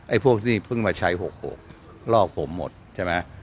ไอ้พวกนี้เพิ่งมาใช้๖๖รอกผมหมดใช่ไหม